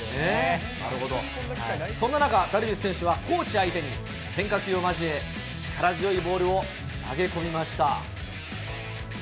そんな中、ダルビッシュ選手はコーチ相手に変化球を交え、力強いボールを投げ込みました。